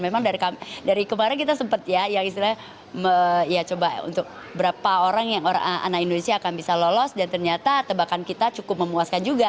memang dari kemarin kita sempat ya yang istilahnya ya coba untuk berapa orang yang anak indonesia akan bisa lolos dan ternyata tebakan kita cukup memuaskan juga